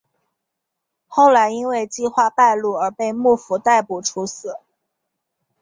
后来因为计划败露而被幕府逮捕处死。